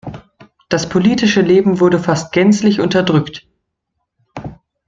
Das politische Leben wurde fast gänzlich unterdrückt.